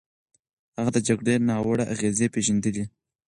هغه د جګړې ناوړه اغېزې پېژندلې.